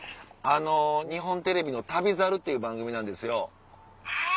あの日本テレビの『旅猿』っていう番組なんですよ。